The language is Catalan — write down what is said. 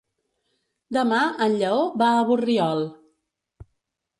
Demà en Lleó va a Borriol.